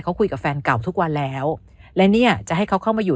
เขาคุยกับแฟนเก่าทุกวันแล้วและเนี่ยจะให้เขาเข้ามาอยู่